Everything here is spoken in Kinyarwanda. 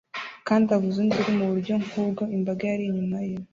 kandi avuza induru mu buryo nk'ubwo imbaga yari inyuma ye